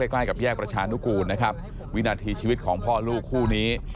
ใกล้กับแยกประชานุกูลนะครับวินาทีชีวิตของพ่อลูกคู่นี้